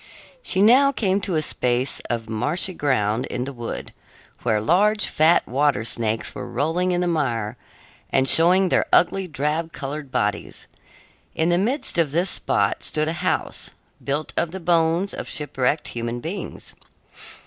She now came to a space of marshy ground in the wood, where large, fat water snakes were rolling in the mire and showing their ugly, drab colored bodies. In the midst of this spot stood a house, built of the bones of shipwrecked human beings.